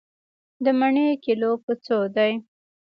د مڼې کيلو په څو دی؟